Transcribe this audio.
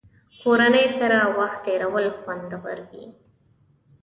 کورنۍ سره وخت تېرول خوندور وي.